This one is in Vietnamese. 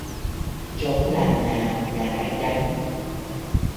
Trống làng nào làng ấy đánh.